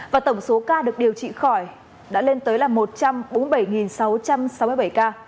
và tổng số ca được điều trị khỏi đã lên tới là một trăm bốn mươi bảy sáu trăm sáu mươi bảy ca